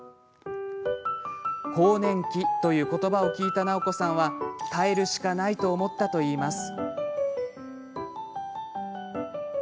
更年期という言葉を聞いた直子さんは、耐えるしかないと思ったといいます。